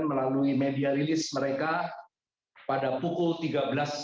melalui media rilis mereka pada pukul tiga belas empat puluh lima siang ini waktu swiss